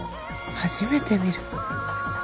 初めて見る。